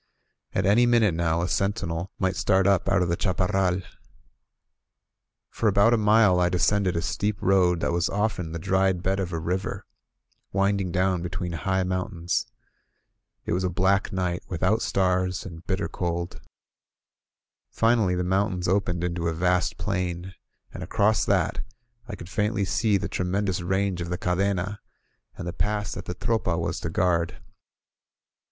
At any minute now a sentinel might start 67 INSURGENT MEXICO up out of the chaparral. For about a mile I de scended a steep road that was often the dried bed of a river, winding down between high mountains. It was a black night, without stars, and bitter cold. Finally, the mountains opened into a vast plain, and across that I could faintly see the tremendous range of the Cadcna, and the pass that the Tropa was to guard.